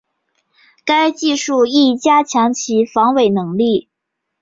该技术亦加强其防伪能力。